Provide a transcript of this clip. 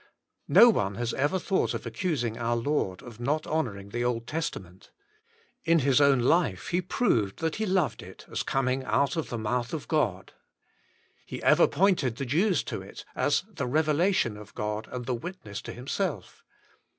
No one has ever thought of accusing our Lord of not honouring the Old Testament. In His own life He proved that He loved it as coming out of the mouth of God. He ever pointed the Jews to it as the revelation of God and the witness to Himself.